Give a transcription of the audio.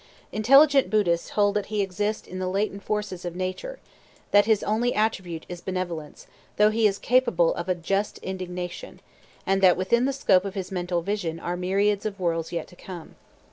Intelligent Buddhists hold that he exists in the latent forces of nature, that his only attribute is benevolence, though he is capable of a just indignation, and that within the scope of his mental vision are myriads of worlds yet to come.